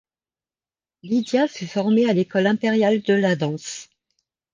Lydia fut formée à l'école impériale de la danse.